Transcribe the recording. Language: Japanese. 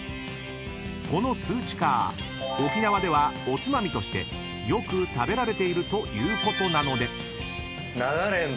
［このスーチカー沖縄ではおつまみとしてよく食べられているということなので］